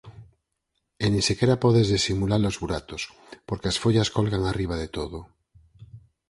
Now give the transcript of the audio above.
E nin sequera podes disimula-los buratos, porque as follas colgan arriba de todo.